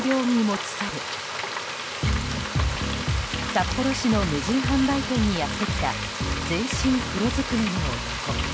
札幌市の無人販売店にやってきた、全身黒ずくめの男。